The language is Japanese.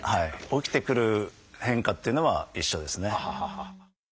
起きてくる変化っていうのは一緒ですね。